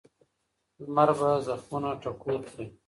لمر به زخمونه ټکور کړي.